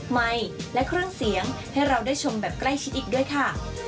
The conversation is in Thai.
ไมค์และเครื่องเสียงให้เราได้ชมแบบใกล้ชิดอีกด้วยค่ะ